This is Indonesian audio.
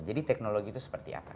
teknologi itu seperti apa